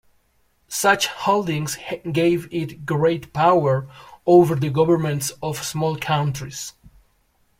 Such holdings gave it great power over the governments of small countries.